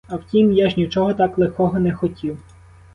А втім, я ж нічого так лихого не хотів.